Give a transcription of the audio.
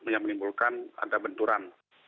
yang menimbulkan ada benturan